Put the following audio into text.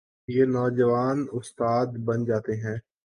یہ نوجوان استاد بن جاتے ہیں۔